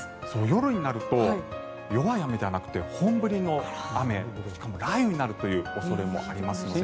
夜になると弱い雨ではなくて本降りの雨、しかも雷雨になるという恐れもありますので。